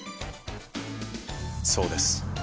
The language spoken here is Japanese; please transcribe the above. そうです。